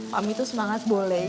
mami tuh semangat boleh